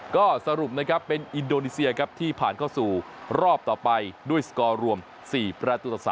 ก็สรุปนะครับเป็นอินโดนีเซียครับที่ผ่านเข้าสู่รอบต่อไปด้วยสกอร์รวม๔ประตูต่อ๓